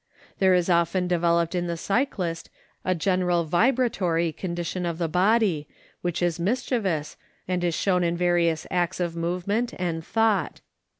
There is often developed in the cyclist a general vibratory condition of the body which is mischievous and is shown in various acts of movement and thought.